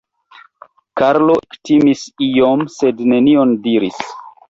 Karlo ektimis iom sed nenion diris.